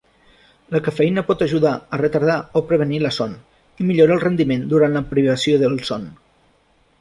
La cafeïna pot ajudar a retardar o prevenir la son, i millora el rendiment durant la privació del son.